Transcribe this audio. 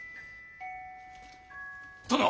殿！